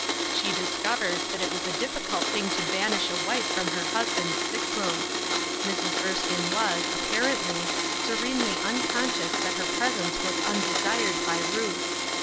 She discovered that it was a difficult thing to banish a wife from her husband's sick room. Mrs. Erskine was, apparently, serenely unconscious that her presence was undesired by Ruth.